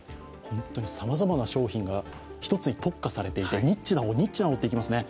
本当にさまざまな商品が１つに特化されていてニッチな方、ニッチな方にいきますね。